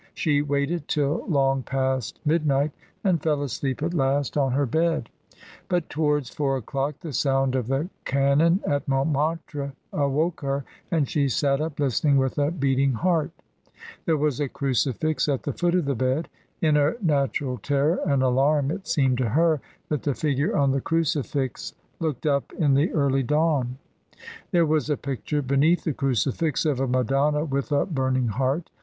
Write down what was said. She waited till long past midnight and fell asleep at last on her bed; but towards four o'clock the sound of the cannon at Montmartrc awoke her, and she sat up listening with a beating heart There was a crucifix at the foot of the bed; in her natural terror and alarm it seemed to her that the figure on the crucifix looked up in the early dawn. There was a picture beneath the crucifix of a Madonna with a burning heart.